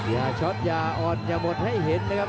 อย่าช็อตอย่าอ่อนอย่าหมดให้เห็นนะครับ